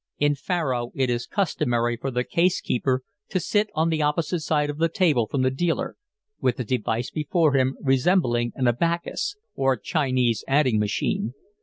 In faro it is customary for the case keeper to sit on the opposite side of the table from the dealer, with a device before him resembling an abacus, or Chinese adding machine.